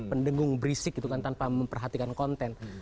pendengung berisik gitu kan tanpa memperhatikan konten